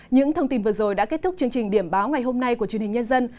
những thông tin vừa rồi đã kết thúc chương trình điểm báo ngày hôm nay của truyền hình nhân dân